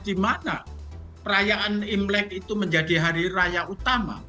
dimana perayaan imlek itu menjadi hari raya utama